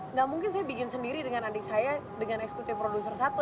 nggak mungkin saya bikin sendiri dengan adik saya dengan eksekutif produser satu